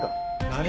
何？